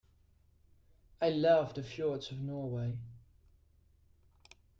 I love the fjords of Norway.